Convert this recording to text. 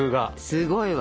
すごいわ。